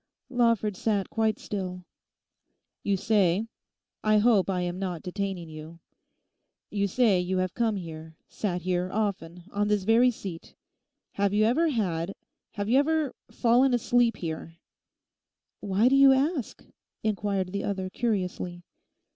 Lawford sat quite still. 'You say—I hope I am not detaining you—you say you have come here, sat here often, on this very seat; have you ever had—have you ever fallen asleep here?' 'Why do you ask?' inquired the other curiously.